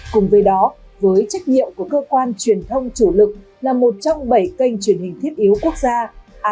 cùng với đó với trách nhiệm của cơ quan truyền thông chủ lực là một trong bảy kênh truyền hình thiết yếu quốc gia